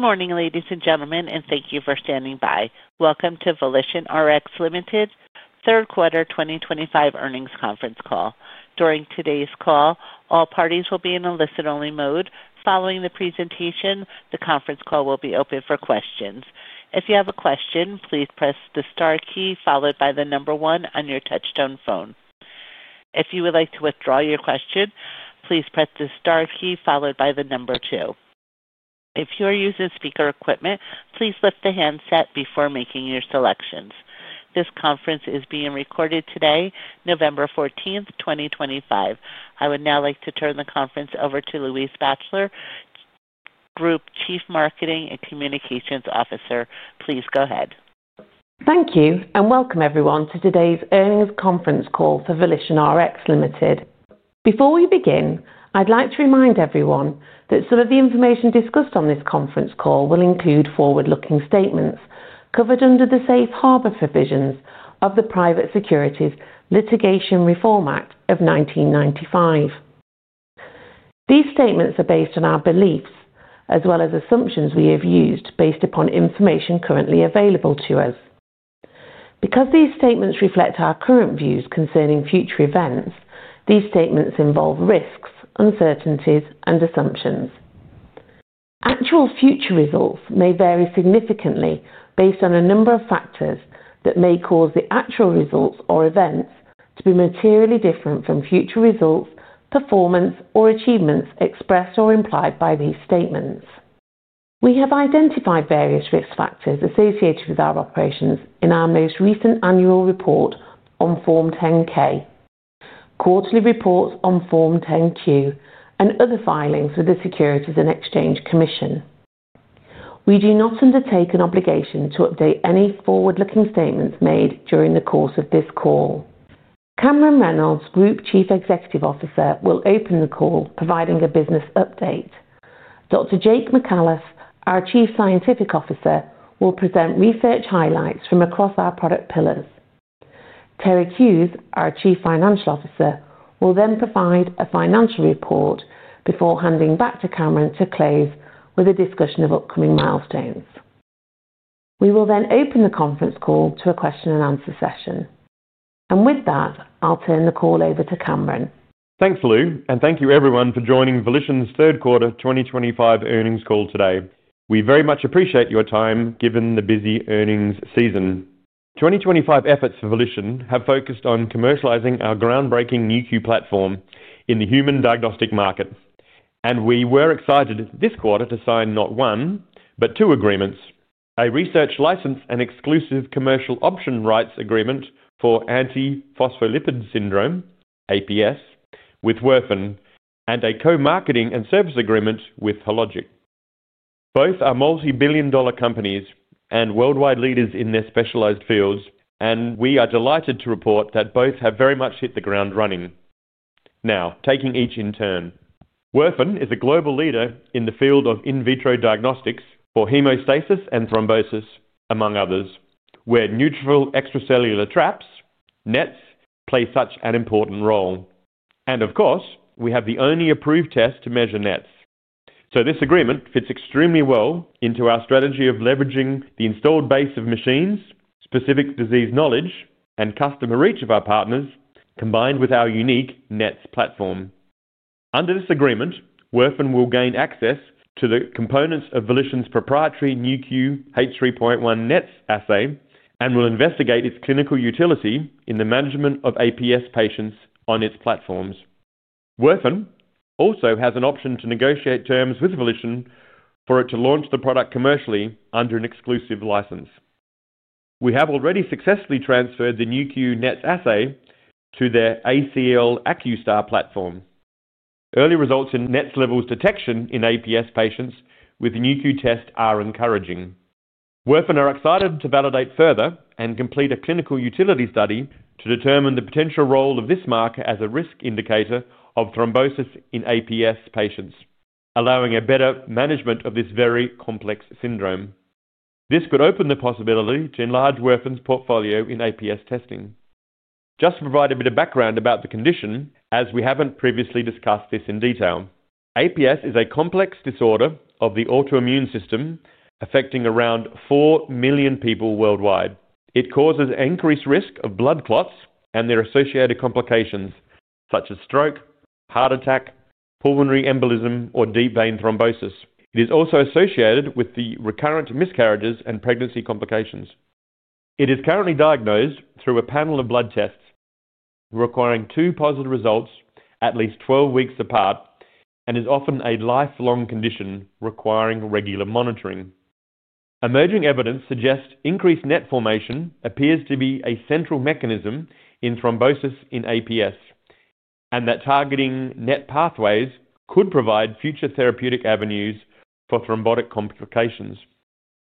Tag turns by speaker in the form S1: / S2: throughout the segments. S1: Good morning, ladies and gentlemen, and thank you for standing by. Welcome to VolitionRx Limited's third quarter 2025 earnings conference call. During today's call, all parties will be in a listen-only mode. Following the presentation, the conference call will be open for questions. If you have a question, please press the star key followed by the number one on your touchstone phone. If you would like to withdraw your question, please press the star key followed by the number two. If you are using speaker equipment, please lift the handset before making your selections. This conference is being recorded today, November 14th, 2025. I would now like to turn the conference over to Louise Batchelor, Group Chief Marketing and Communications Officer. Please go ahead.
S2: Thank you, and welcome everyone to today's earnings conference call for VolitionRx Limited. Before we begin, I'd like to remind everyone that some of the information discussed on this conference call will include forward-looking statements covered under the safe harbor provisions of the Private Securities Litigation Reform Act of 1995. These statements are based on our beliefs as well as assumptions we have used based upon information currently available to us. Because these statements reflect our current views concerning future events, these statements involve risks, uncertainties, and assumptions. Actual future results may vary significantly based on a number of factors that may cause the actual results or events to be materially different from future results, performance, or achievements expressed or implied by these statements. We have identified various risk factors associated with our operations in our most recent annual report on Form 10-K, quarterly reports on Form 10-Q, and other filings with the Securities and Exchange Commission. We do not undertake an obligation to update any forward-looking statements made during the course of this call. Cameron Reynolds, Group Chief Executive Officer, will open the call providing a business update. Dr. Jake Micallef, our Chief Scientific Officer, will present research highlights from across our product pillars. Terig Hughes, our Chief Financial Officer, will then provide a financial report before handing back to Cameron to close with a discussion of upcoming milestones. We will then open the conference call to a question-and-answer session. I'll turn the call over to Cameron.
S3: Thanks, Lou, and thank you everyone for joining Volition's third quarter 2025 earnings call today. We very much appreciate your time given the busy earnings season. 2025 efforts for Volition have focused on commercializing our groundbreaking Nu.Q platform in the human diagnostic market, and we were excited this quarter to sign not one, but two agreements: a Research License and Exclusive Commercial Option Rights Agreement for Antiphospholipid Syndrome, APS, with Werfen, and a Co-Marketing and Service Agreement with Hologic. Both are multi-billion dollar companies and worldwide leaders in their specialized fields, and we are delighted to report that both have very much hit the ground running. Now, taking each in turn, Werfen is a global leader in the field of in vitro diagnostics for hemostasis and thrombosis, among others, where neutrophil extracellular traps, NETs, play such an important role. Of course, we have the only approved test to measure NETs. This agreement fits extremely well into our strategy of leveraging the installed base of machines, specific disease knowledge, and customer reach of our partners, combined with our unique NETs platform. Under this agreement, Werfen will gain access to the components of Volition's proprietary Nu.Q H3.1 NETs assay and will investigate its clinical utility in the management of APS patients on its platforms. Werfen also has an option to negotiate terms with Volition for it to launch the product commercially under an exclusive license. We have already successfully transferred the Nu.Q NETs assay to their ACL AcuStar platform. Early results in NETs levels detection in APS patients with the Nu.Q test are encouraging. Werfen are excited to validate further and complete a clinical utility study to determine the potential role of this marker as a risk indicator of thrombosis in APS patients, allowing a better management of this very complex syndrome. This could open the possibility to enlarge Werfen's portfolio in APS testing. Just to provide a bit of background about the condition, as we haven't previously discussed this in detail, APS is a complex disorder of the autoimmune system affecting around 4 million people worldwide. It causes increased risk of blood clots and their associated complications, such as stroke, heart attack, pulmonary embolism, or deep vein thrombosis. It is also associated with recurrent miscarriages and pregnancy complications. It is currently diagnosed through a panel of blood tests requiring two positive results at least 12 weeks apart and is often a lifelong condition requiring regular monitoring. Emerging evidence suggests increased NET formation appears to be a central mechanism in thrombosis in APS and that targeting NET pathways could provide future therapeutic avenues for thrombotic complications.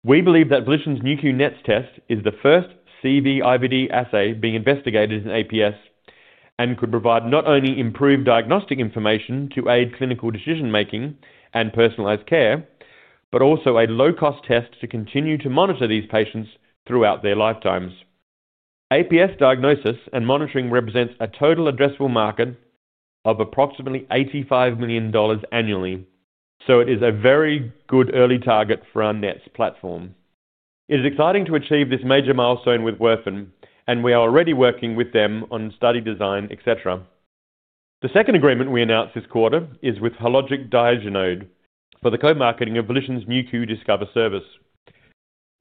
S3: We believe that Volition's Nu.Q NETS test is the first CE-IVD assay being investigated in APS and could provide not only improved diagnostic information to aid clinical decision-making and personalized care, but also a low-cost test to continue to monitor these patients throughout their lifetimes. APS diagnosis and monitoring represents a total addressable market of approximately $85 million annually, so it is a very good early target for our NETS platform. It is exciting to achieve this major milestone with Werfen, and we are already working with them on study design, etc. The second agreement we announced this quarter is with Hologic Diagenode for the co-marketing of Volition's Nu.Q Discover service.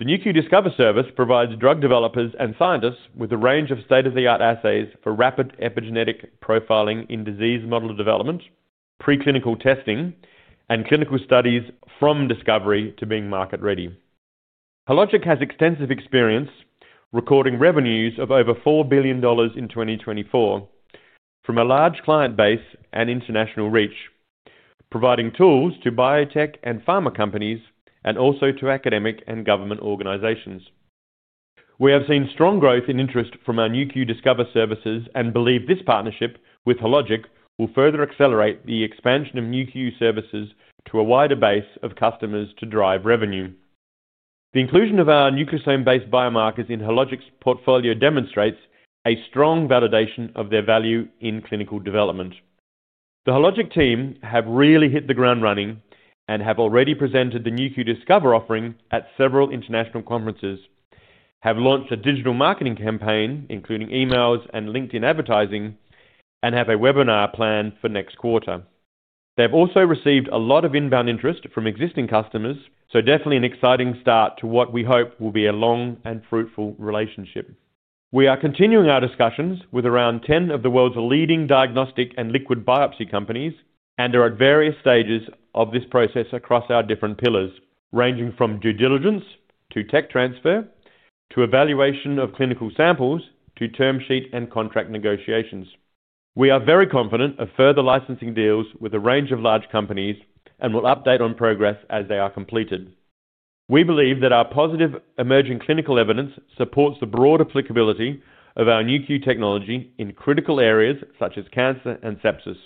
S3: The Nu.Q Discover service provides drug developers and scientists with a range of state-of-the-art assays for rapid epigenetic profiling in disease model development, preclinical testing, and clinical studies from discovery to being market-ready. Hologic has extensive experience recording revenues of over $4 billion in 2024 from a large client base and international reach, providing tools to biotech and pharma companies and also to academic and government organizations. We have seen strong growth in interest from our Nu.Q Discover services and believe this partnership with Hologic will further accelerate the expansion of Nu.Q services to a wider base of customers to drive revenue. The inclusion of our nucleosome-based biomarkers in Hologic's portfolio demonstrates a strong validation of their value in clinical development. The Hologic team have really hit the ground running and have already presented the Nu.Q Discover offering at several international conferences, have launched a digital marketing campaign including emails and LinkedIn advertising, and have a webinar planned for next quarter. They've also received a lot of inbound interest from existing customers, so definitely an exciting start to what we hope will be a long and fruitful relationship. We are continuing our discussions with around 10 of the world's leading diagnostic and liquid biopsy companies and are at various stages of this process across our different pillars, ranging from due diligence to tech transfer to evaluation of clinical samples to term sheet and contract negotiations. We are very confident of further licensing deals with a range of large companies and will update on progress as they are completed. We believe that our positive emerging clinical evidence supports the broad applicability of our Nu.Q technology in critical areas such as cancer and sepsis,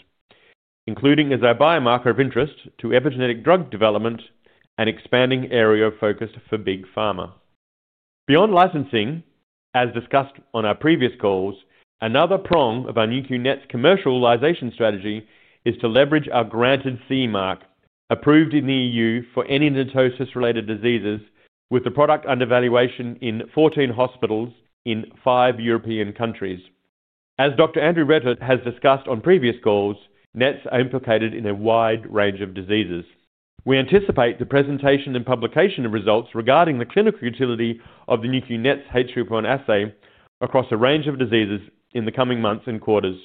S3: including as our biomarker of interest to epigenetic drug development and expanding area of focus for big pharma. Beyond licensing, as discussed on our previous calls, another prong of our Nu.Q NETs commercialization strategy is to leverage our granted CE mark approved in the EU for any NETosis-related diseases with the product under evaluation in 14 hospitals in five European countries. As Dr. Andrew Retter has discussed on previous calls, NETs are implicated in a wide range of diseases. We anticipate the presentation and publication of results regarding the clinical utility of the Nu.Q NETs H3.1 assay across a range of diseases in the coming months and quarters,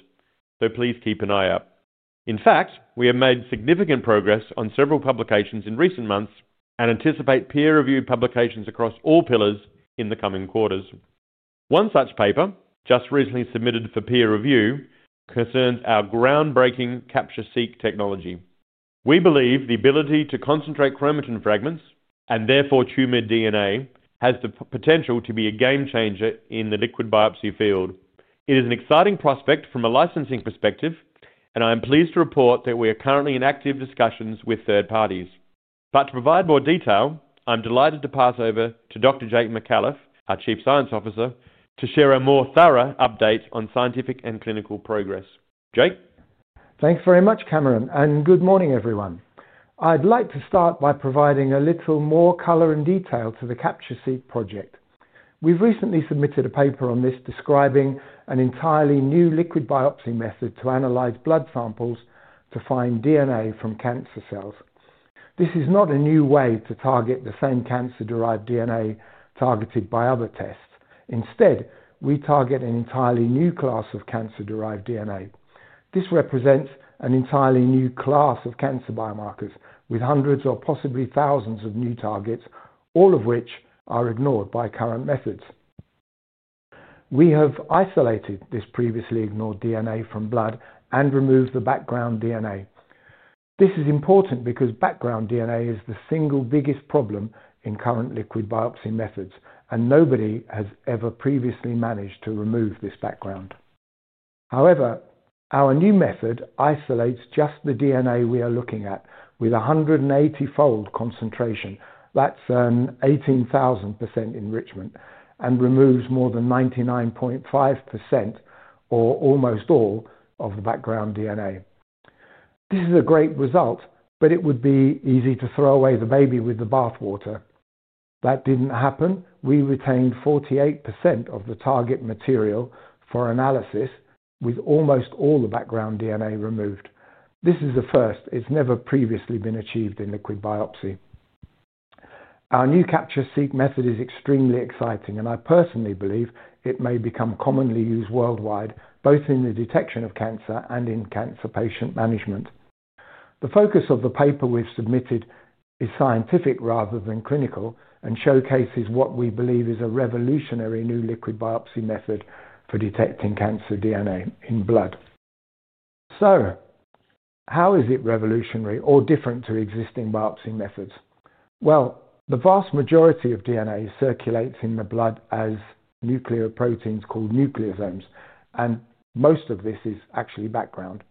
S3: so please keep an eye out. In fact, we have made significant progress on several publications in recent months and anticipate peer-reviewed publications across all pillars in the coming quarters. One such paper, just recently submitted for peer review, concerns our groundbreaking Capture-Seq technology. We believe the ability to concentrate chromatin fragments and therefore tumor DNA has the potential to be a game changer in the liquid biopsy field. It is an exciting prospect from a licensing perspective, and I am pleased to report that we are currently in active discussions with third parties. To provide more detail, I'm delighted to pass over to Dr. Jake Micallef, our Chief Scientific Officer, to share a more thorough update on scientific and clinical progress. Jake.
S4: Thanks very much, Cameron, and good morning, everyone. I'd like to start by providing a little more color and detail to the Capture-Seq project. We've recently submitted a paper on this describing an entirely new liquid biopsy method to analyze blood samples to find DNA from cancer cells. This is not a new way to target the same cancer-derived DNA targeted by other tests. Instead, we target an entirely new class of cancer-derived DNA. This represents an entirely new class of cancer biomarkers with hundreds or possibly thousands of new targets, all of which are ignored by current methods. We have isolated this previously ignored DNA from blood and removed the background DNA. This is important because background DNA is the single biggest problem in current liquid biopsy methods, and nobody has ever previously managed to remove this background. However, our new method isolates just the DNA we are looking at with a 180-fold concentration. That's an 18,000% enrichment and removes more than 99.5% or almost all of the background DNA. This is a great result, but it would be easy to throw away the baby with the bathwater. That did not happen. We retained 48% of the target material for analysis with almost all the background DNA removed. This is a first. It has never previously been achieved in liquid biopsy. Our new Capture-Seq method is extremely exciting, and I personally believe it may become commonly used worldwide, both in the detection of cancer and in cancer patient management. The focus of the paper we have submitted is scientific rather than clinical and showcases what we believe is a revolutionary new liquid biopsy method for detecting cancer DNA in blood. How is it revolutionary or different to existing biopsy methods? The vast majority of DNA circulates in the blood as nuclear proteins called nucleosomes, and most of this is actually background.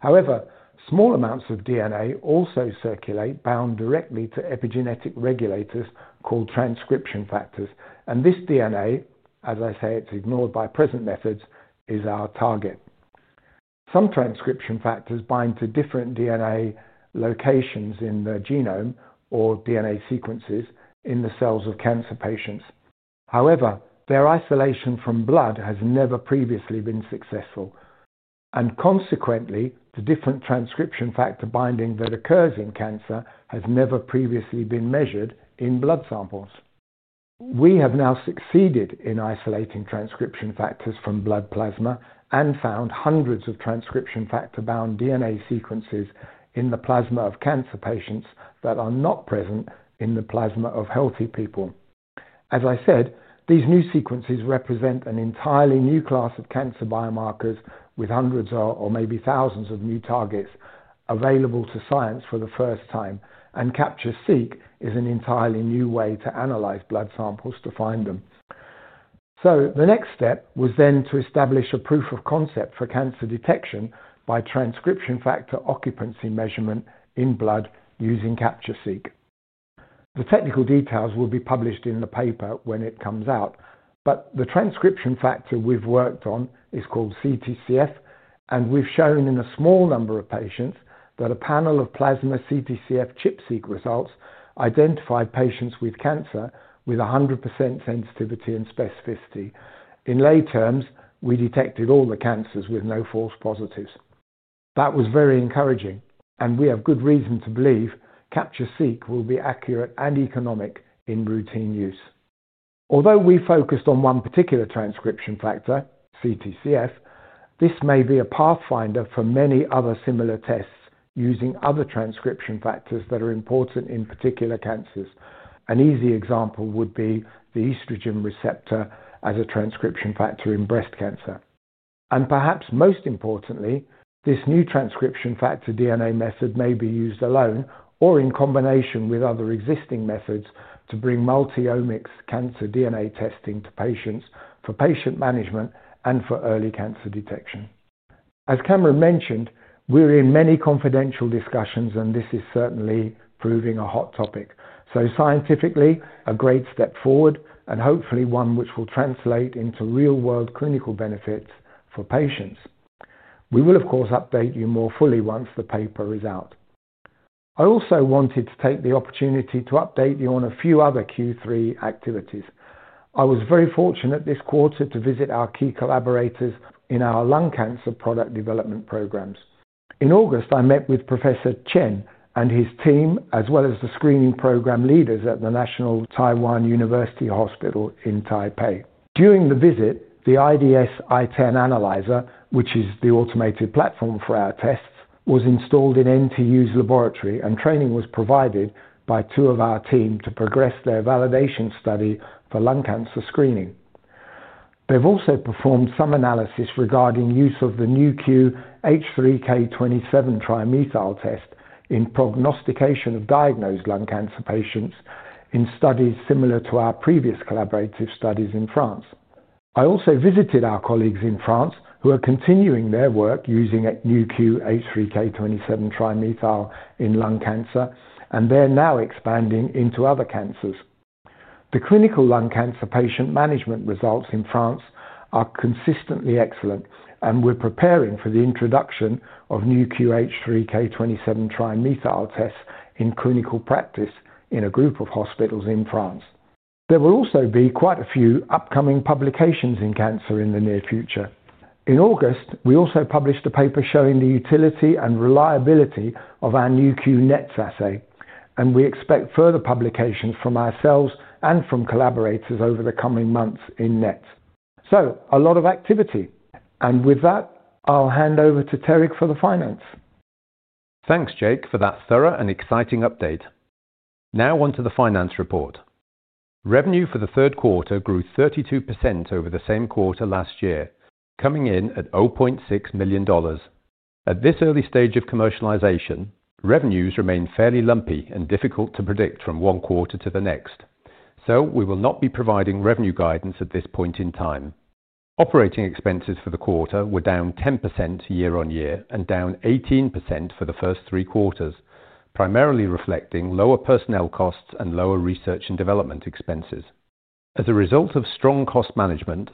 S4: However, small amounts of DNA also circulate bound directly to epigenetic regulators called transcription factors, and this DNA, as I say, it's ignored by present methods, is our target. Some transcription factors bind to different DNA locations in the genome or DNA sequences in the cells of cancer patients. However, their isolation from blood has never previously been successful, and consequently, the different transcription factor binding that occurs in cancer has never previously been measured in blood samples. We have now succeeded in isolating transcription factors from blood plasma and found hundreds of transcription factor-bound DNA sequences in the plasma of cancer patients that are not present in the plasma of healthy people. As I said, these new sequences represent an entirely new class of cancer biomarkers with hundreds or maybe thousands of new targets available to science for the first time, and Capture-Seq is an entirely new way to analyze blood samples to find them. The next step was then to establish a proof of concept for cancer detection by transcription factor occupancy measurement in blood using Capture-Seq. The technical details will be published in the paper when it comes out, but the transcription factor we've worked on is called CTCF, and we've shown in a small number of patients that a panel of plasma CTCF chip-seq results identified patients with cancer with 100% sensitivity and specificity. In lay terms, we detected all the cancers with no false positives. That was very encouraging, and we have good reason to believe Capture-Seq will be accurate and economic in routine use. Although we focused on one particular transcription factor, CTCF, this may be a pathfinder for many other similar tests using other transcription factors that are important in particular cancers. An easy example would be the estrogen receptor as a transcription factor in breast cancer. Perhaps most importantly, this new transcription factor DNA method may be used alone or in combination with other existing methods to bring multi-omics cancer DNA testing to patients for patient management and for early cancer detection. As Cameron mentioned, we're in many confidential discussions, and this is certainly proving a hot topic. Scientifically, a great step forward and hopefully one which will translate into real-world clinical benefits for patients. We will, of course, update you more fully once the paper is out. I also wanted to take the opportunity to update you on a few other Q3 activities. I was very fortunate this quarter to visit our key collaborators in our lung cancer product development programs. In August, I met with Professor Chen and his team, as well as the screening program leaders at the National Taiwan University Hospital in Taipei. During the visit, the IDS-i10 analyzer, which is the automated platform for our tests, was installed in NTU's laboratory, and training was provided by two of our team to progress their validation study for lung cancer screening. They've also performed some analysis regarding use of the Nu.Q H3K27 trimethyl test in prognostication of diagnosed lung cancer patients in studies similar to our previous collaborative studies in France. I also visited our colleagues in France who are continuing their work using Nu.Q H3K27 trimethyl in lung cancer, and they're now expanding into other cancers. The clinical lung cancer patient management results in France are consistently excellent, and we're preparing for the introduction of Nu.Q H3K27 trimethyl tests in clinical practice in a group of hospitals in France. There will also be quite a few upcoming publications in cancer in the near future. In August, we also published a paper showing the utility and reliability of our Nu.Q NETS assay, and we expect further publications from ourselves and from collaborators over the coming months in NETs. A lot of activity, and with that, I'll hand over to Terig for the finance.
S5: Thanks, Jake, for that thorough and exciting update. Now on to the finance report. Revenue for the third quarter grew 32% over the same quarter last year, coming in at $0.6 million. At this early stage of commercialization, revenues remain fairly lumpy and difficult to predict from one quarter to the next, so we will not be providing revenue guidance at this point in time. Operating expenses for the quarter were down 10% year-on-year and down 18% for the first three quarters, primarily reflecting lower personnel costs and lower research and development expenses. As a result of strong cost management,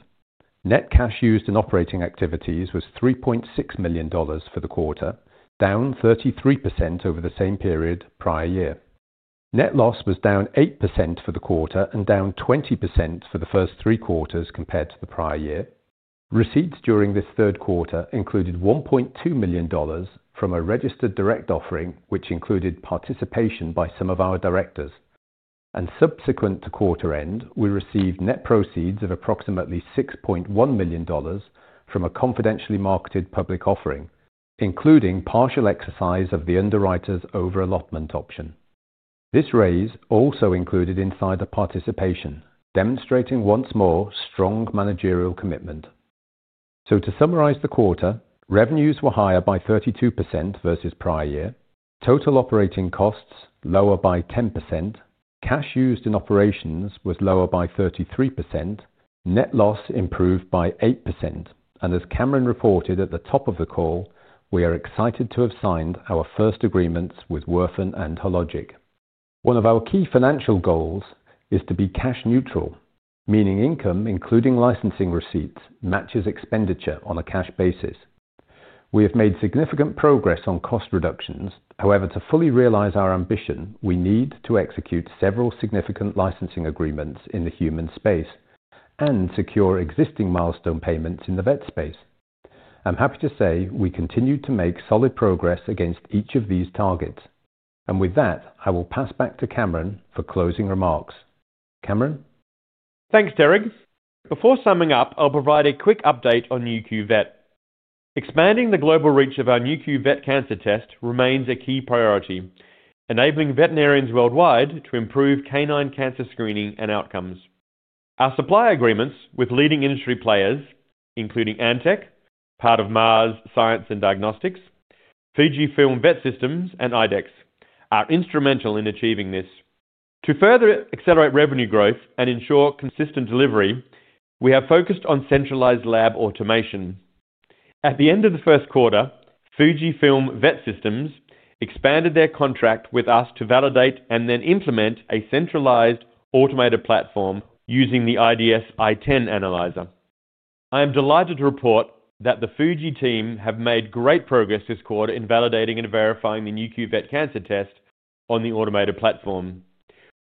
S5: net cash used in operating activities was $3.6 million for the quarter, down 33% over the same period prior year. Net loss was down 8% for the quarter and down 20% for the first three quarters compared to the prior year. Receipts during this third quarter included $1.2 million from a registered direct offering, which included participation by some of our directors. Subsequent to quarter end, we received net proceeds of approximately $6.1 million from a confidentially marketed public offering, including partial exercise of the underwriter's over-allotment option. This raise also included insider participation, demonstrating once more strong managerial commitment. To summarize the quarter, revenues were higher by 32% versus prior year, total operating costs lower by 10%, cash used in operations was lower by 33%, net loss improved by 8%, and as Cameron reported at the top of the call, we are excited to have signed our first agreements with Werfen and Hologic. One of our key financial goals is to be cash neutral, meaning income, including licensing receipts, matches expenditure on a cash basis. We have made significant progress on cost reductions. However, to fully realize our ambition, we need to execute several significant licensing agreements in the human space and secure existing milestone payments in the vet space. I'm happy to say we continue to make solid progress against each of these targets. With that, I will pass back to Cameron for closing remarks. Cameron?
S3: Thanks, Terig. Before summing up, I'll provide a quick update on Nu.Q Vet. Expanding the global reach of our Nu.Q Vet cancer test remains a key priority, enabling veterinarians worldwide to improve canine cancer screening and outcomes. Our supply agreements with leading industry players, including Antech, part of Mars Science & Diagnostics, Fujifilm Vet Systems, and IDEX, are instrumental in achieving this. To further accelerate revenue growth and ensure consistent delivery, we have focused on centralized lab automation. At the end of the first quarter, Fujifilm Vet Systems expanded their contract with us to validate and then implement a centralized automated platform using the IDS-i10 analyzer. I am delighted to report that the Fuji team have made great progress this quarter in validating and verifying the Nu.Q Vet cancer test on the automated platform.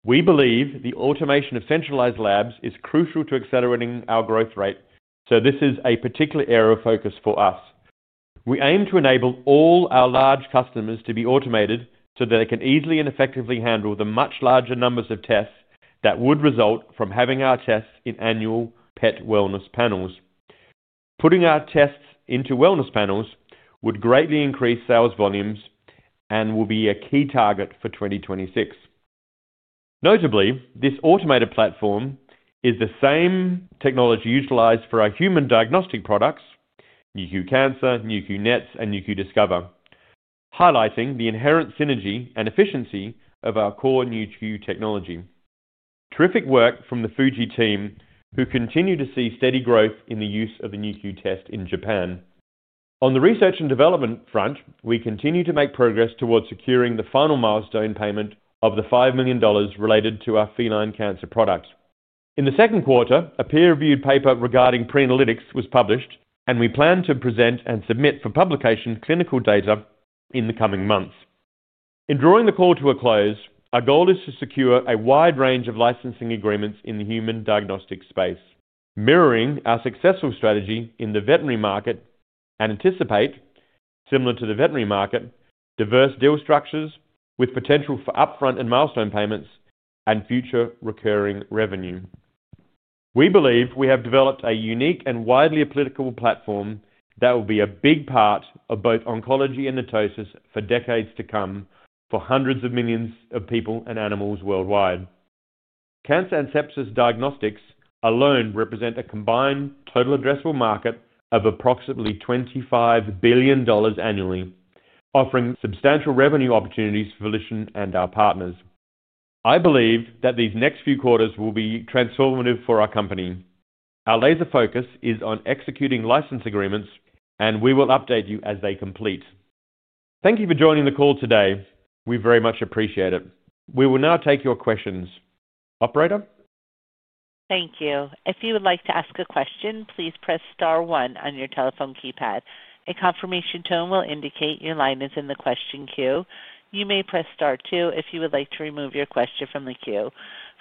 S3: We believe the automation of centralized labs is crucial to accelerating our growth rate, so this is a particular area of focus for us. We aim to enable all our large customers to be automated so that they can easily and effectively handle the much larger numbers of tests that would result from having our tests in annual pet wellness panels. Putting our tests into wellness panels would greatly increase sales volumes and will be a key target for 2026. Notably, this automated platform is the same technology utilized for our human diagnostic products, Nu.Q Cancer, Nu.Q NETs, and Nu.Q Discover, highlighting the inherent synergy and efficiency of our core Nu.Q technology. Terrific work from the Fuji team, who continue to see steady growth in the use of the Nu.Q test in Japan. On the research and development front, we continue to make progress towards securing the final milestone payment of the $5 million related to our feline cancer products. In the second quarter, a peer-reviewed paper regarding pre-analytics was published, and we plan to present and submit for publication clinical data in the coming months. In drawing the call to a close, our goal is to secure a wide range of licensing agreements in the human diagnostic space, mirroring our successful strategy in the veterinary market, and anticipate, similar to the veterinary market, diverse deal structures with potential for upfront and milestone payments and future recurring revenue. We believe we have developed a unique and widely applicable platform that will be a big part of both oncology and natosis for decades to come for hundreds of millions of people and animals worldwide. Cancer and sepsis diagnostics alone represent a combined total addressable market of approximately $25 billion annually, offering substantial revenue opportunities for Volition and our partners. I believe that these next few quarters will be transformative for our company. Our laser focus is on executing license agreements, and we will update you as they complete. Thank you for joining the call today. We very much appreciate it. We will now take your questions. Operator?
S1: Thank you. If you would like to ask a question, please press star one on your telephone keypad. A confirmation tone will indicate your line is in the question queue. You may press star two if you would like to remove your question from the queue.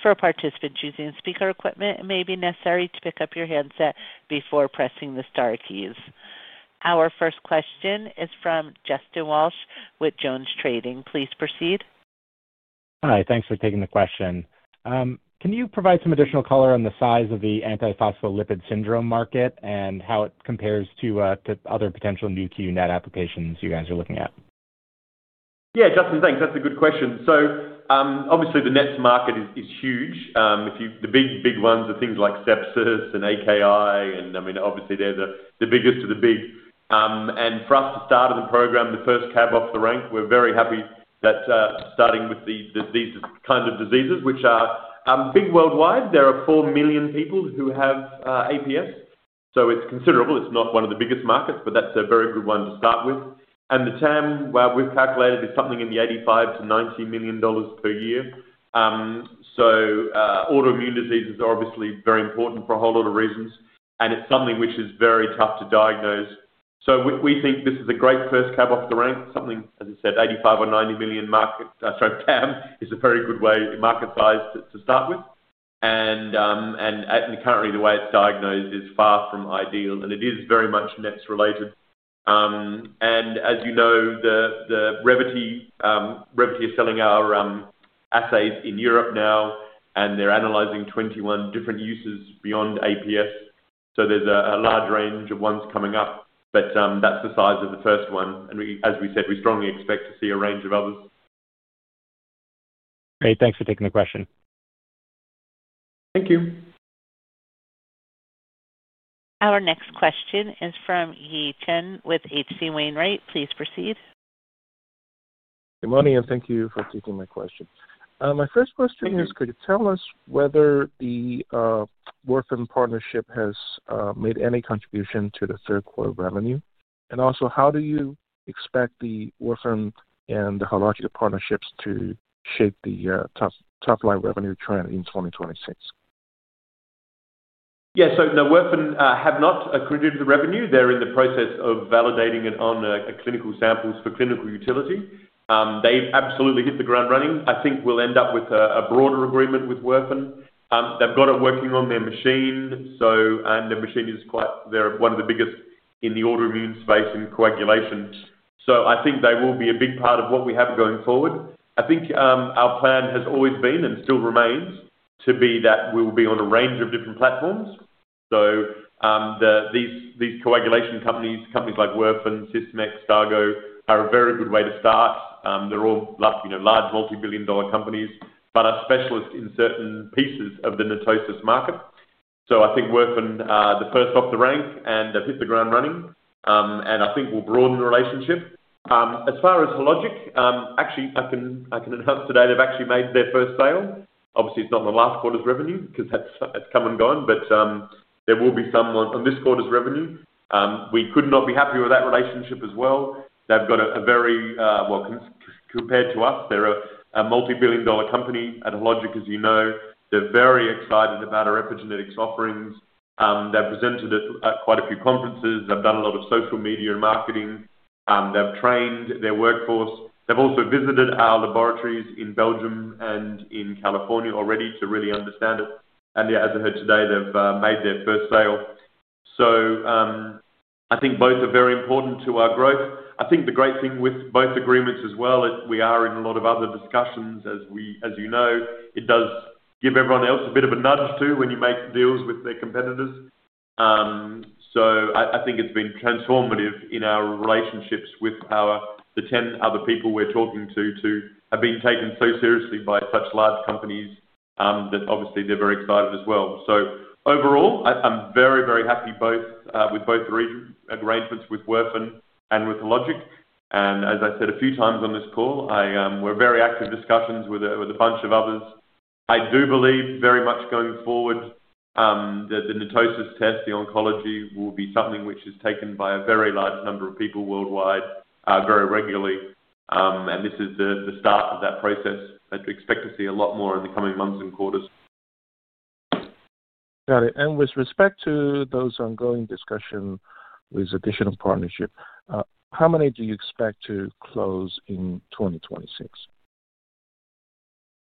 S1: For participants using speaker equipment, it may be necessary to pick up your handset before pressing the star keys. Our first question is from Justin Walsh with Jones Trading. Please proceed.
S6: Hi, thanks for taking the question. Can you provide some additional color on the size of the anti-phospholipid syndrome market and how it compares to other potential Nu.Q NET applications you guys are looking at?
S3: Yeah, Justin, thanks. That's a good question. Obviously, the NETs market is huge. The big, big ones are things like sepsis and AKI, and I mean, obviously, they're the biggest of the big. For us to start in the program, the first cab off the rank, we're very happy that starting with these kinds of diseases, which are big worldwide. There are 4 million people who have APS, so it's considerable. It's not one of the biggest markets, but that's a very good one to start with. The TAM, we've calculated, is something in the $85 million-$90 million per year. Autoimmune diseases are obviously very important for a whole lot of reasons, and it's something which is very tough to diagnose. We think this is a great first cab off the rank, something, as I said, $85 million or $90 million market. Sorry, TAM is a very good way, market size, to start with. Currently, the way it's diagnosed is far from ideal, and it is very much NETs-related. As you know, Revvity is selling our assays in Europe now, and they're analyzing 21 different uses beyond APS. There is a large range of ones coming up, but that's the size of the first one. As we said, we strongly expect to see a range of others.
S6: Great. Thanks for taking the question.
S3: Thank you.
S1: Our next question is from Yi Chen with H.C. Wainwright. Please proceed.
S7: Good morning, and thank you for taking my question. My first question is, could you tell us whether the Werfen partnership has made any contribution to the third quarter revenue? Also, how do you expect the Werfen and the Hologic partnerships to shape the top-line revenue trend in 2026?
S3: Yeah, so Werfen have not accredited the revenue. They're in the process of validating it on clinical samples for clinical utility. They've absolutely hit the ground running. I think we'll end up with a broader agreement with Werfen. They've got it working on their machine, and their machine is quite one of the biggest in the autoimmune space and coagulation. I think they will be a big part of what we have going forward. I think our plan has always been and still remains to be that we will be on a range of different platforms. These coagulation companies, companies like Werfen, Sysmex, Stago, are a very good way to start. They're all large multi-billion-dollar companies, but are specialists in certain pieces of the natosis market. I think Werfen are the first off the rank, and they've hit the ground running, and I think we'll broaden the relationship. As far as Hologic, actually, I can announce today they've actually made their first sale. Obviously, it's not in the last quarter's revenue because that's come and gone, but there will be some on this quarter's revenue. We could not be happier with that relationship as well. They've got a very, compared to us, they're a multi-billion-dollar company. At Hologic, as you know, they're very excited about our epigenetics offerings. They've presented at quite a few conferences. They've done a lot of social media and marketing. They've trained their workforce. They've also visited our laboratories in Belgium and in California already to really understand it. Yeah, as I heard today, they've made their first sale. I think both are very important to our growth. I think the great thing with both agreements as well, we are in a lot of other discussions, as you know, it does give everyone else a bit of a nudge too when you make deals with their competitors. I think it's been transformative in our relationships with the 10 other people we're talking to, to have been taken so seriously by such large companies that obviously they're very excited as well. Overall, I'm very, very happy with both arrangements with Werfen and with Hologic. As I said a few times on this call, we're in very active discussions with a bunch of others. I do believe very much going forward that the natosis test, the oncology, will be something which is taken by a very large number of people worldwide very regularly. This is the start of that process that we expect to see a lot more in the coming months and quarters.
S7: Got it. With respect to those ongoing discussions with additional partnerships, how many do you expect to close in 2026?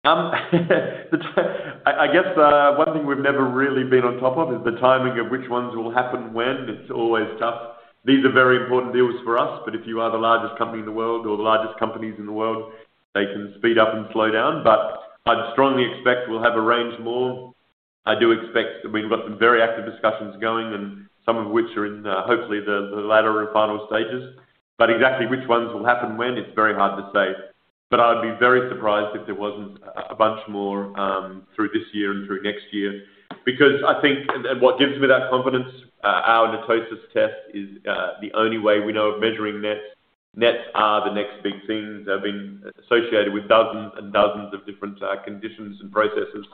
S3: I guess one thing we've never really been on top of is the timing of which ones will happen when. It's always tough. These are very important deals for us, but if you are the largest company in the world or the largest companies in the world, they can speed up and slow down. I'd strongly expect we'll have a range more. I do expect we've got some very active discussions going, and some of which are in hopefully the latter and final stages. Exactly which ones will happen when, it's very hard to say. I'd be very surprised if there wasn't a bunch more through this year and through next year because I think what gives me that confidence, our natosis test is the only way we know of measuring NETs. NETs are the next big things. They've been associated with dozens and dozens of different conditions and processes.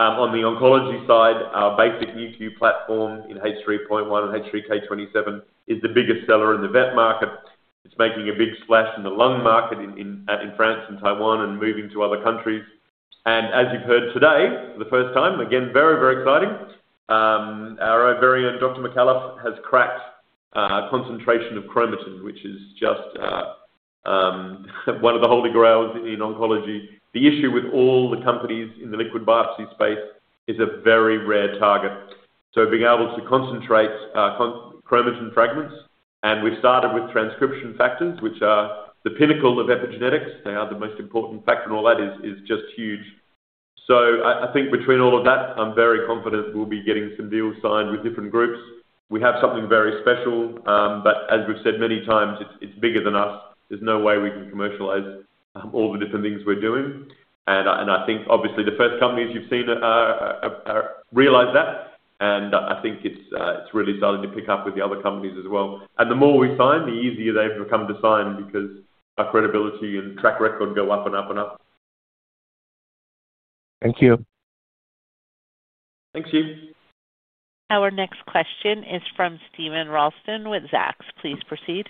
S3: On the oncology side, our basic Nu.Q platform in H3.1 and H3K27 is the biggest seller in the vet market. It's making a big splash in the lung market in France and Taiwan and moving to other countries. As you've heard today, for the first time, again, very, very exciting, our very own Dr. Micallef has cracked a concentration of chromatin, which is just one of the holy grails in oncology. The issue with all the companies in the liquid biopsy space is a very rare target. Being able to concentrate chromatin fragments, and we've started with transcription factors, which are the pinnacle of epigenetics. They are the most important factor, and all that is just huge. I think between all of that, I'm very confident we'll be getting some deals signed with different groups. We have something very special, but as we've said many times, it's bigger than us. There's no way we can commercialize all the different things we're doing. I think obviously the first companies you've seen realize that, and I think it's really starting to pick up with the other companies as well. The more we sign, the easier they become to sign because our credibility and track record go up and up and up.
S7: Thank you.
S3: Thanks, Yi.
S1: Our next question is from Steven Ralston with Zacks. Please proceed.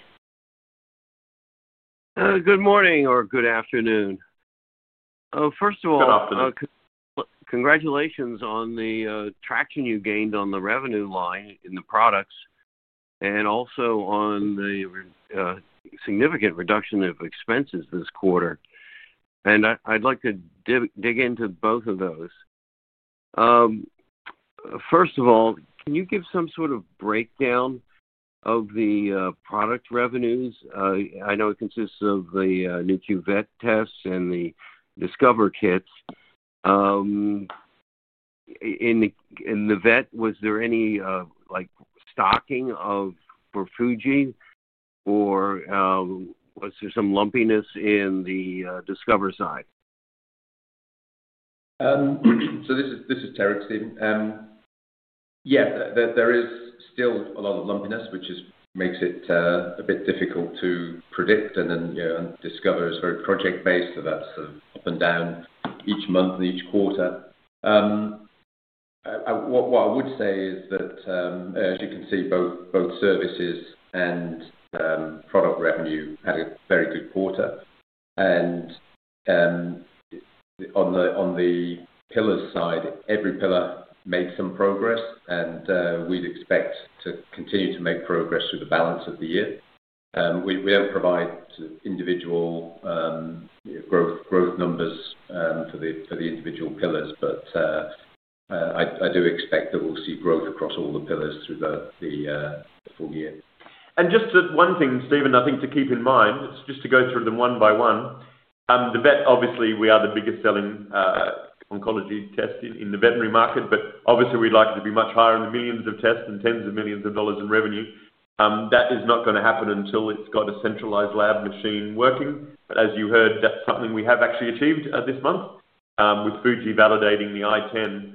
S8: Good morning or good afternoon. First of all.
S3: Good afternoon.
S8: Congratulations on the traction you gained on the revenue line in the products and also on the significant reduction of expenses this quarter. I would like to dig into both of those. First of all, can you give some sort of breakdown of the product revenues? I know it consists of the Nu.Q Vet tests and the Discover kits. In the Vet, was there any stocking for Fuji, or was there some lumpiness in the Discover side?
S5: This is Terig. Yeah, there is still a lot of lumpiness, which makes it a bit difficult to predict. Discover is very project-based, so that's up and down each month and each quarter. What I would say is that, as you can see, both services and product revenue had a very good quarter. On the pillars side, every pillar made some progress, and we'd expect to continue to make progress through the balance of the year. We do not provide individual growth numbers for the individual pillars, but I do expect that we'll see growth across all the pillars through the full year.
S3: Just one thing, Steven, I think to keep in mind, just to go through them one by one. The Vet, obviously, we are the biggest selling oncology test in the veterinary market, but obviously, we'd like it to be much higher in the millions of tests and tens of millions of dollars in revenue. That is not going to happen until it's got a centralized lab machine working. As you heard, that's something we have actually achieved this month with Fuji validating the i10.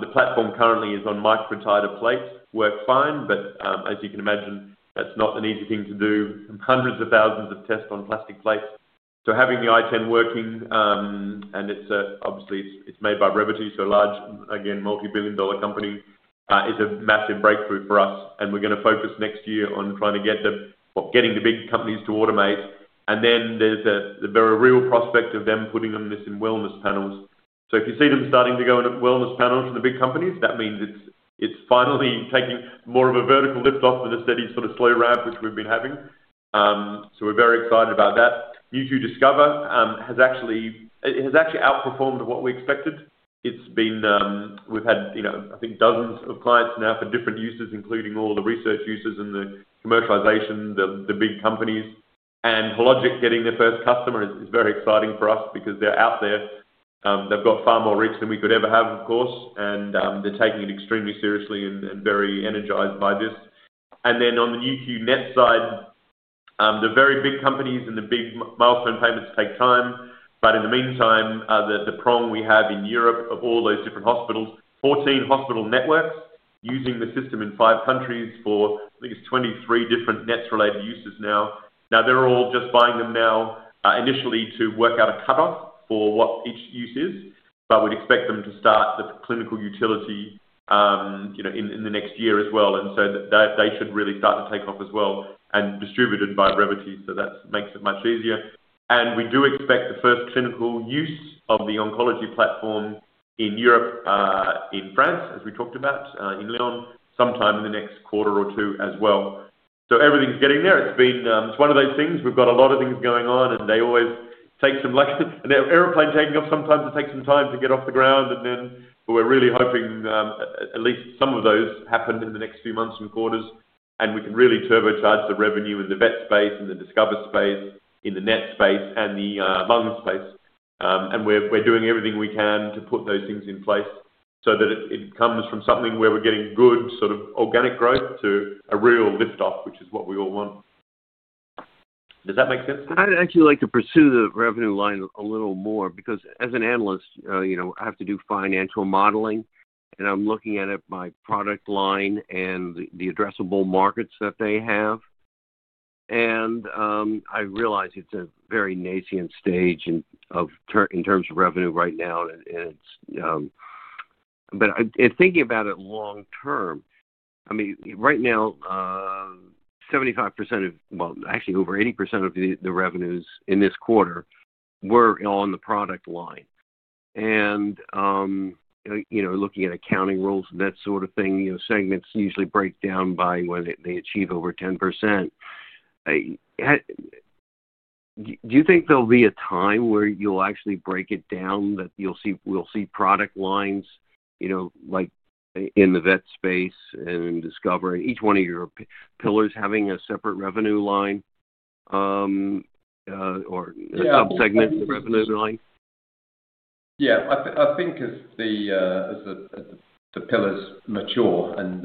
S3: The platform currently is on microtiter plates. Work fine, but as you can imagine, that's not an easy thing to do. Hundreds of thousands of tests on plastic plates. Having the i10 working, and obviously, it's made by Revvity, so a large, again, multi-billion-dollar company, is a massive breakthrough for us. We're going to focus next year on trying to get the big companies to automate. There is a very real prospect of them putting this in wellness panels. If you see them starting to go into wellness panels from the big companies, that means it is finally taking more of a vertical lift off than a steady sort of slow ramp, which we have been having. We are very excited about that. Nu.Q Discover has actually outperformed what we expected. We have had, I think, dozens of clients now for different users, including all the research users and the commercialization, the big companies. Hologic getting their first customer is very exciting for us because they are out there. They have got far more reach than we could ever have, of course, and they are taking it extremely seriously and are very energized by this. On the Nu.Q NETs side, the very big companies and the big milestone payments take time. In the meantime, the prong we have in Europe of all those different hospitals, 14 hospital networks using the system in five countries for, I think, it's 23 different NETs-related users now. They're all just buying them now initially to work out a cutoff for what each use is, but we'd expect them to start the clinical utility in the next year as well. They should really start to take off as well and distributed by Revvity, so that makes it much easier. We do expect the first clinical use of the oncology platform in Europe in France, as we talked about in Lyon, sometime in the next quarter or two as well. Everything's getting there. It's one of those things. We've got a lot of things going on, and they always take some luck. An airplane taking off, sometimes it takes some time to get off the ground, but we're really hoping at least some of those happen in the next few months and quarters, and we can really turbocharge the revenue in the VET space and the Discover space, in the NET space, and the lung space. We're doing everything we can to put those things in place so that it comes from something where we're getting good sort of organic growth to a real lift-off, which is what we all want. Does that make sense?
S8: I'd actually like to pursue the revenue line a little more because, as an analyst, I have to do financial modeling, and I'm looking at my product line and the addressable markets that they have. I realize it's a very nascent stage in terms of revenue right now, but thinking about it long term, I mean, right now, 75%, or actually over 80% of the revenues in this quarter were on the product line. Looking at accounting rules and that sort of thing, segments usually break down by when they achieve over 10%. Do you think there'll be a time where you'll actually break it down that we'll see product lines like in the VET space and Discovery, each one of your pillars having a separate revenue line or a subsegment revenue line?
S5: Yeah. I think as the pillars mature and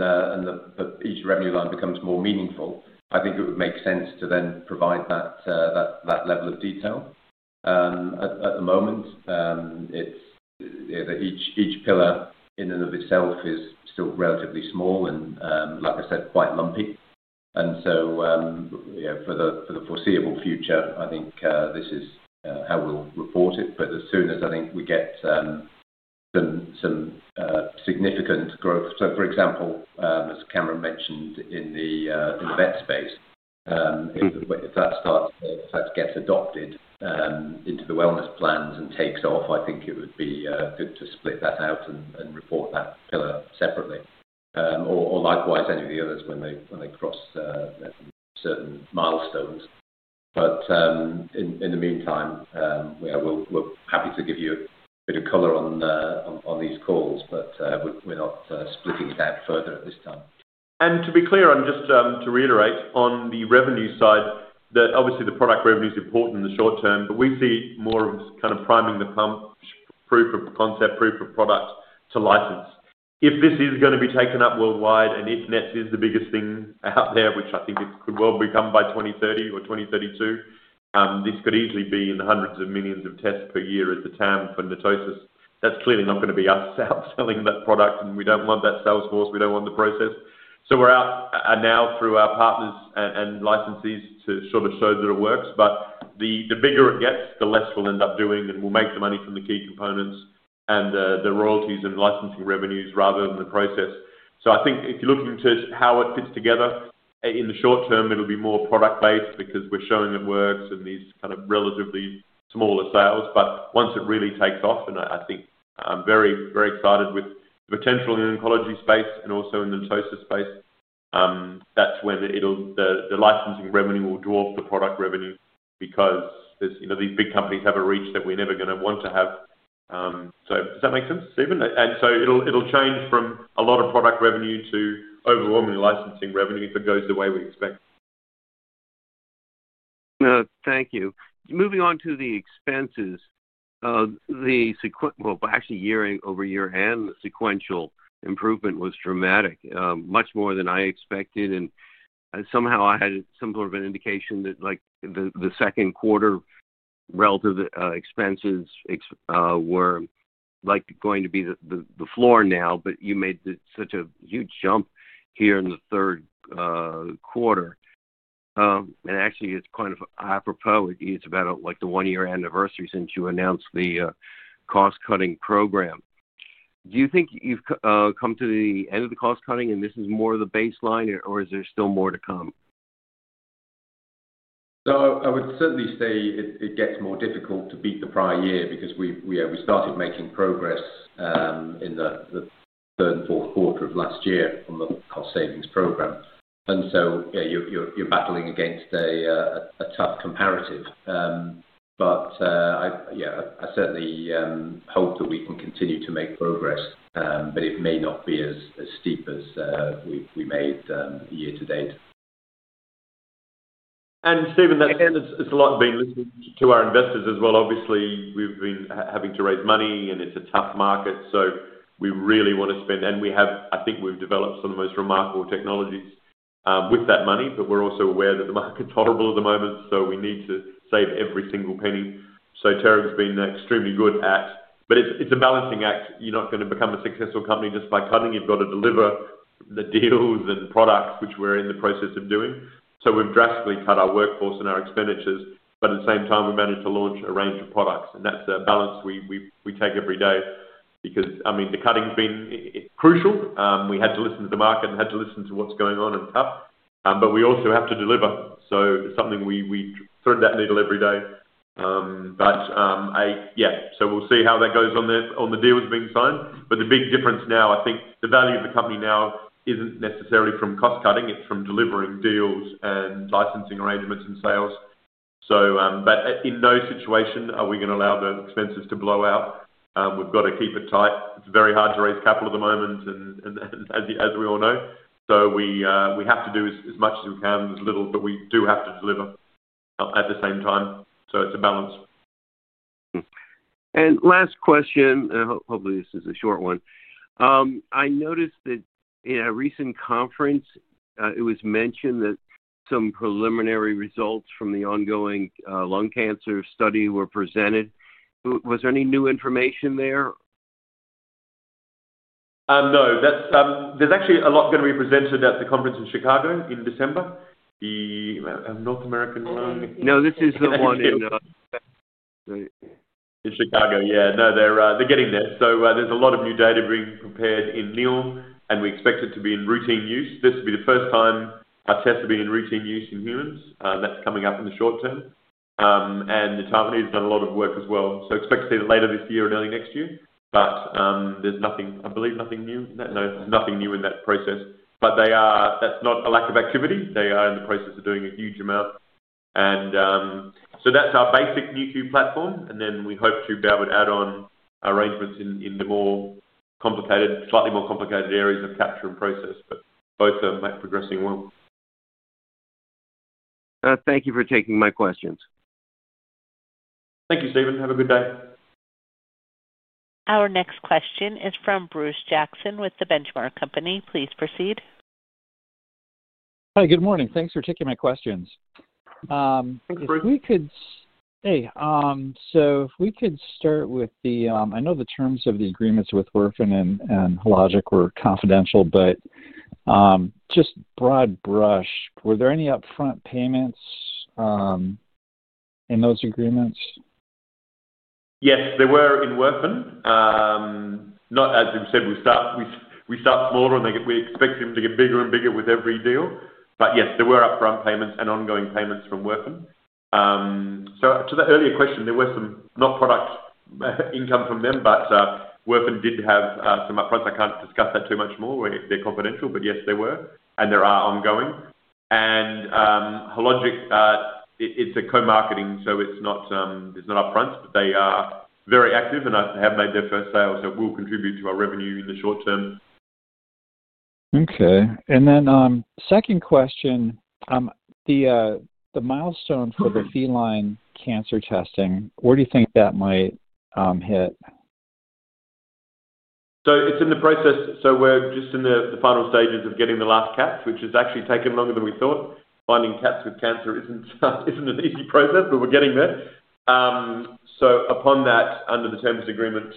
S5: each revenue line becomes more meaningful, I think it would make sense to then provide that level of detail. At the moment, each pillar in and of itself is still relatively small and, like I said, quite lumpy. For the foreseeable future, I think this is how we'll report it. As soon as I think we get some significant growth, for example, as Cameron mentioned in the Vet space, if that starts to get adopted into the wellness plans and takes off, I think it would be good to split that out and report that pillar separately or likewise any of the others when they cross certain milestones. In the meantime, we're happy to give you a bit of color on these calls, but we're not splitting it out further at this time.
S3: To be clear, just to reiterate, on the revenue side, obviously the product revenue is important in the short term, but we see more of kind of priming the pump, proof of concept, proof of product to license. If this is going to be taken up worldwide and if NETs is the biggest thing out there, which I think it could well become by 2030 or 2032, this could easily be in the hundreds of millions of tests per year at the TAM for natosis. That's clearly not going to be us selling that product, and we don't want that sales force. We don't want the process. We are out now through our partners and licenses to sort of show that it works. The bigger it gets, the less we'll end up doing, and we'll make the money from the key components and the royalties and licensing revenues rather than the process. I think if you're looking to how it fits together, in the short term, it'll be more product-based because we're showing it works in these kind of relatively smaller sales. Once it really takes off, and I think I'm very, very excited with the potential in the oncology space and also in the natosis space, that's when the licensing revenue will dwarf the product revenue because these big companies have a reach that we're never going to want to have. Does that make sense, Steven? It'll change from a lot of product revenue to overwhelming licensing revenue if it goes the way we expect.
S8: Thank you. Moving on to the expenses, the actual year-over-year and sequential improvement was dramatic, much more than I expected. I had some sort of an indication that the second quarter relative expenses were going to be the floor now, but you made such a huge jump here in the third quarter. Actually, it's kind of apropos. It's about the one-year anniversary since you announced the cost-cutting program. Do you think you've come to the end of the cost-cutting, and this is more of the baseline, or is there still more to come?
S5: I would certainly say it gets more difficult to beat the prior year because we started making progress in the third and fourth quarter of last year on the cost-savings program. You are battling against a tough comparative. Yeah, I certainly hope that we can continue to make progress, but it may not be as steep as we made year to date.
S3: Steven, it's a lot of being listening to our investors as well. Obviously, we've been having to raise money, and it's a tough market. We really want to spend, and I think we've developed some of the most remarkable technologies with that money, but we're also aware that the market's horrible at the moment, so we need to save every single penny. Terry has been extremely good at, but it's a balancing act. You're not going to become a successful company just by cutting. You've got to deliver the deals and products, which we're in the process of doing. We've drastically cut our workforce and our expenditures, but at the same time, we've managed to launch a range of products. That's a balance we take every day because, I mean, the cutting's been crucial. We had to listen to the market and had to listen to what's going on and tough, but we also have to deliver. It is something we thread that needle every day. Yeah, we will see how that goes on the deals being signed. The big difference now, I think the value of the company now is not necessarily from cost-cutting. It is from delivering deals and licensing arrangements and sales. In no situation are we going to allow the expenses to blow out. We have to keep it tight. It is very hard to raise capital at the moment, as we all know. We have to do as much as we can, as little, but we do have to deliver at the same time. It is a balance.
S8: Last question, and hopefully this is a short one. I noticed that in a recent conference, it was mentioned that some preliminary results from the ongoing lung cancer study were presented. Was there any new information there?
S3: No. There's actually a lot going to be presented at the conference in Chicago in December. The North American one.
S8: No, this is the one in.
S3: Chicago. Yeah. No, they're getting there. There is a lot of new data being prepared in Lyon, and we expect it to be in routine use. This will be the first time our tests are being in routine use in humans. That is coming up in the short term. The department has done a lot of work as well. Expect to see it later this year or early next year. There is nothing, I believe, nothing new in that. No, there is nothing new in that process. That is not a lack of activity. They are in the process of doing a huge amount. That is our basic Nu.Q platform. We hope to be able to add on arrangements in the more complicated, slightly more complicated areas of capture and process, but both are progressing well.
S8: Thank you for taking my questions.
S3: Thank you, Steven. Have a good day.
S5: Our next question is from Bruce Jackson with The Benchmark Company. Please proceed.
S9: Hi, good morning. Thanks for taking my questions.
S3: Thank you, Bruce.
S9: Hey. If we could start with the I know the terms of the agreements with Werfen and Hologic were confidential, but just broad brush, were there any upfront payments in those agreements?
S3: Yes, there were in Werfen. As we said, we start smaller, and we expect them to get bigger and bigger with every deal. Yes, there were upfront payments and ongoing payments from Werfen. To the earlier question, there were some not product income from them, but Werfen did have some upfront. I can't discuss that too much more. They're confidential, but yes, there were, and there are ongoing. Hologic, it's a co-marketing, so it's not upfront, but they are very active, and they have made their first sale, so it will contribute to our revenue in the short term.
S9: Okay. And then second question, the milestone for the feline cancer testing, where do you think that might hit?
S3: It's in the process. We're just in the final stages of getting the last cats, which has actually taken longer than we thought. Finding cats with cancer isn't an easy process, but we're getting there. Upon that, under the terms of the agreement,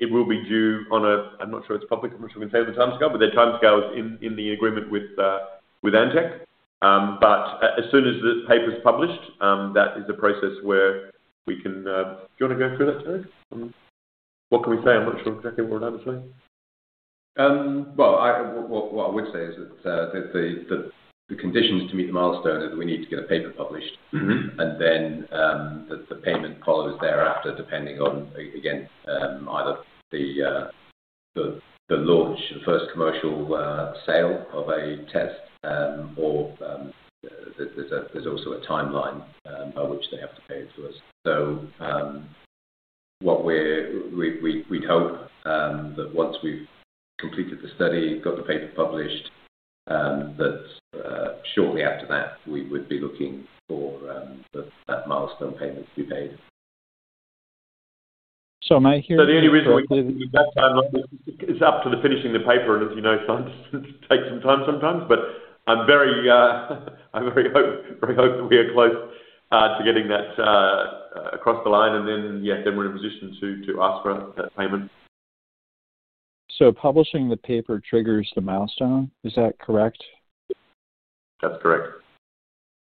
S3: it will be due on a—I'm not sure it's public. I'm not sure we can tell you on the timescale, but their timescale is in the agreement with Antech. As soon as the paper's published, that is a process where we can—do you want to go through that, Terig? What can we say? I'm not sure exactly what we're allowed to say.
S5: The conditions to meet the milestone is we need to get a paper published, and then the payment follows thereafter, depending on, again, either the launch, the first commercial sale of a test, or there is also a timeline by which they have to pay it to us. We would hope that once we have completed the study, got the paper published, that shortly after that, we would be looking for that milestone payment to be paid.
S9: My hearing is that.
S3: The only reason we've got time is up to the finishing of the paper, and as you know, it takes some time sometimes. I very hope that we are close to getting that across the line, and then we're in a position to ask for that payment.
S9: Publishing the paper triggers the milestone. Is that correct?
S5: That's correct.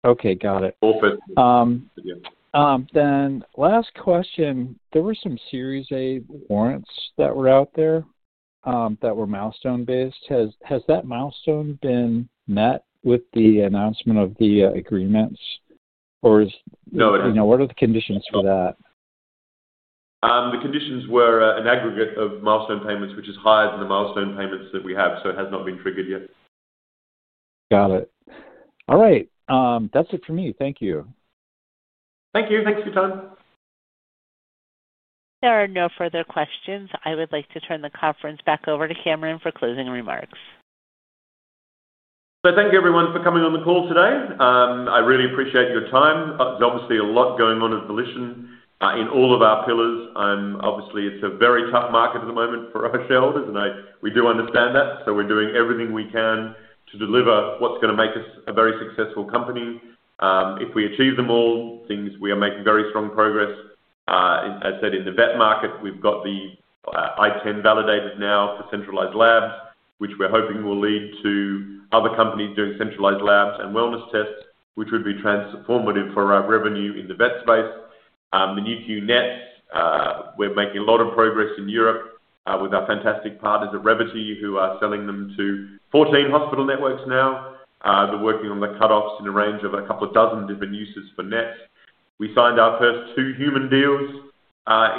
S9: Okay. Got it.
S3: Awesome.
S9: Last question. There were some Series A warrants that were out there that were milestone-based. Has that milestone been met with the announcement of the agreements, or is?
S3: No, it hasn't.
S9: What are the conditions for that?
S3: The conditions were an aggregate of milestone payments, which is higher than the milestone payments that we have, so it has not been triggered yet.
S9: Got it. All right. That's it for me. Thank you.
S3: Thank you. Thanks for your time.
S1: There are no further questions. I would like to turn the conference back over to Cameron for closing remarks.
S3: Thank you, everyone, for coming on the call today. I really appreciate your time. There is obviously a lot going on at Volition in all of our pillars. Obviously, it is a very tough market at the moment for our shareholders, and we do understand that. We are doing everything we can to deliver what is going to make us a very successful company. If we achieve them all, we are making very strong progress. As I said, in the Vet market, we have got the i10 validated now for centralized labs, which we are hoping will lead to other companies doing centralized labs and wellness tests, which would be transformative for our revenue in the Vet space. The Nu.Q NETs, we are making a lot of progress in Europe with our fantastic partners at Revvity who are selling them to 14 hospital networks now. They're working on the cutoffs in a range of a couple of dozen different uses for NETs. We signed our first two human deals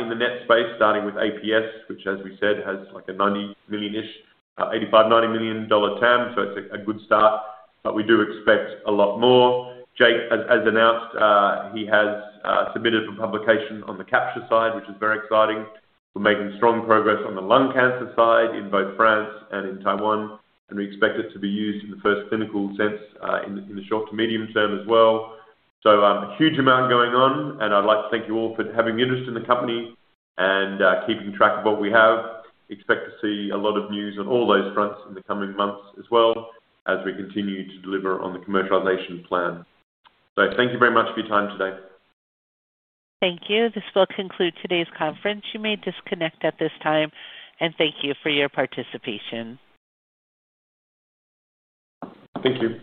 S3: in the NETs space, starting with APS, which, as we said, has like a $90 million-ish, $85 million-$90 million TAM. It's a good start, but we do expect a lot more. Jake, as announced, he has submitted for publication on the Capture side, which is very exciting. We're making strong progress on the lung cancer side in both France and in Taiwan, and we expect it to be used in the first clinical sense in the short to medium term as well. A huge amount going on, and I'd like to thank you all for having interest in the company and keeping track of what we have. Expect to see a lot of news on all those fronts in the coming months as well as we continue to deliver on the commercialization plan. Thank you very much for your time today.
S1: Thank you. This will conclude today's conference. You may disconnect at this time, and thank you for your participation.
S3: Thank you.